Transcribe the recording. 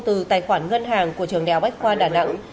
từ tài khoản ngân hàng của trường đèo bách khoa đà nẵng